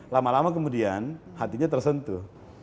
lama lama kemudian hatinya tersentuh